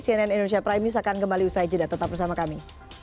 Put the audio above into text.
cnn indonesia prime news akan kembali usai jeda tetap bersama kami